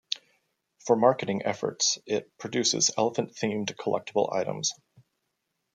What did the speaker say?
For marketing efforts it produces elephant-themed collectible items.